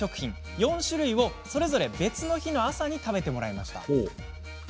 ４種類をそれぞれ別の日の朝に食べてもらいました。